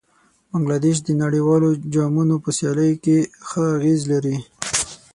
بنګله دېش د نړیوالو جامونو په سیالیو کې ښه اغېز لري.